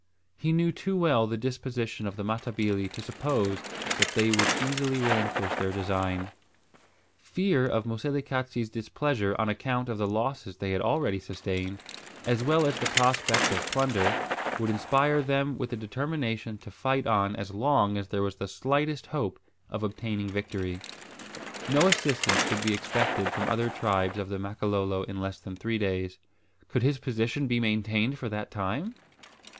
He knew too well the disposition of the Matabili to suppose that they would easily relinquish their design. Fear of Moselekatse's displeasure on account of the losses they had already sustained, as well as the prospect of plunder, would inspire them with the determination to fight on as long as there was the slightest hope of obtaining a victory. No assistance could be expected from other tribes of the Makololo in less than three days. Could his position be maintained for that time?